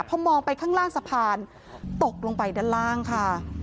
พอมองไปข้างล่างสะพานตกลงไปด้านล่างค่ะ